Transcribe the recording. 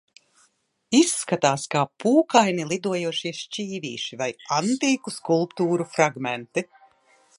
Izskatās kā pūkaini lidojošie šķīvīši vai antīku skulptūru fragmenti.